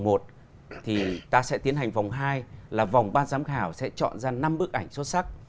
thì ta sẽ tiến hành vòng hai là vòng ban giám khảo sẽ chọn ra năm bức ảnh xuất sắc